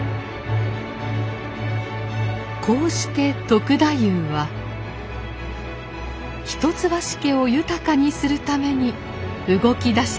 こうして篤太夫は一橋家を豊かにするために動き出したのです。